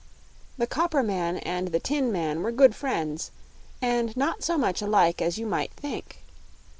The copper man and the tin man were good friends, and not so much alike as you might think.